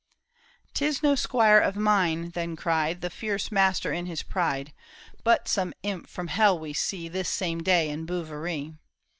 " 'Tis no squire of mine," then cried The fierce master in his pride, " But some imp from hell we see This same day in Bouverie."